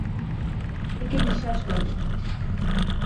একে বিশ্বাস বলে।